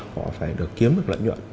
họ phải được kiếm được lợi nhuận